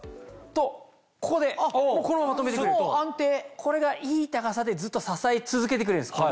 これがいい高さでずっと支え続けてくれるんです。